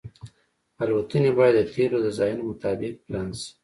الوتنې باید د تیلو د ځایونو مطابق پلان شي